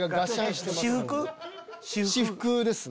私服？